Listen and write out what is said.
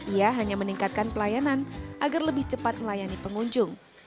ia hanya meningkatkan pelayanan agar lebih cepat melayani pengunjung